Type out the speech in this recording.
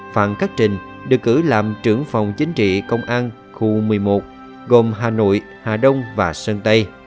phạm khắc trình được cử làm trưởng phòng chính trị công an khu một mươi một gồm hà nội hà đông và sơn tây